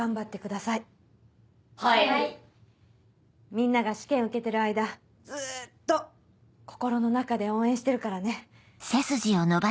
みんなが試験受けてる間ずっと心の中で応援してるからね。